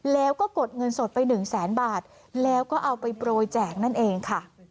แล้วก็กดเงินสดไปหนึ่งแสนบาทแล้วก็เอาไปโปรยแจกนั่นเองค่ะ